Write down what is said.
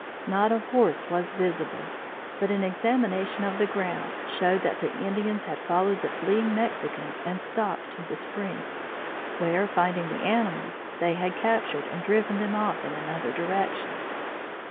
Not a horse was visible, but an examination of the ground showed that the Indians had followed the fleeing Mexicans and stock to the spring, where, finding the animals, they had captured and driven them off in another direction.